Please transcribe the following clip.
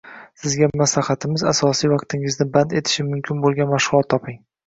Sizga maslahatimiz, asosiy vaqtingizni band etishi mumkin bo`lgan mashg`ulot toping